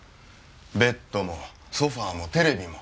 ベッドもソファもテレビも！